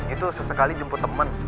itu sesekali jemput temen